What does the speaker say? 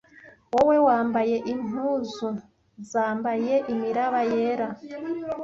Wowe, wambaye impuzu zambaye imiraba yera,